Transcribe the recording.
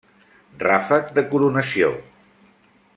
Ràfec de coronació.